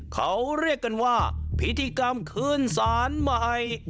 เขาเรียกกันว่าพิธีกรรมคืนสารใหม่